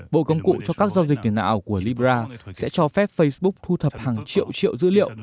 bộ công cụ cho các giao dịch tiền ảo của libra sẽ cho phép facebook thu thập hàng triệu triệu dữ liệu